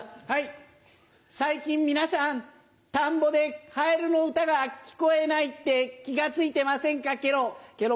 最近皆さん田んぼでカエルの歌が聞こえないって気が付いてませんかケロ。